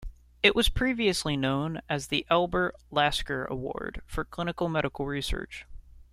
It was previously known as the Albert Lasker Award for Clinical Medical Research.